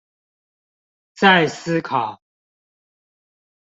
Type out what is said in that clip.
再思考